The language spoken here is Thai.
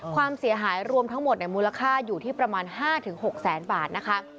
ความเสียหายรวมทั้งหมดมูลค่าอยู่ที่ประมาณ๕๖แสนบาทนะคะ